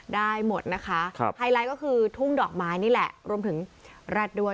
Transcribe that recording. ได้หมดนะคะไฮไลท์ก็คือทุ่งดอกไม้นี่แหละรวมถึงแร็ดด้วย